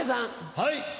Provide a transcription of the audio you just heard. はい。